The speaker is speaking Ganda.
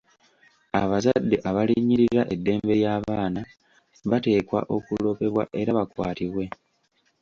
Abazadde abalinnyirira eddembe ly'abaana bateekwa okuloopebwa era bakwatibwe.